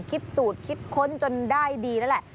คิดสูตรคิดค้นจนได้ดีนั่นแหละ